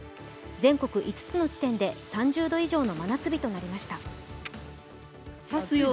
全国５つの地点で３０度以上の真夏日となりました。